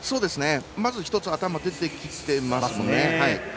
まず１つ頭出てきていますね。